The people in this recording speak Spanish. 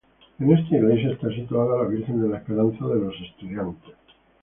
En esta iglesia está situada la Virgen de la Esperanza de los estudiantes.